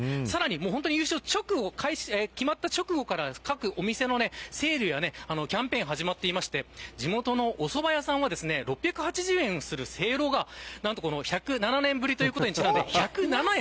優勝が決まった直後から各お店のセールやキャンペーンが始まっていて地元のおそば屋さんは６８０円するせいろがなんと１０７年ぶりということで１０７円。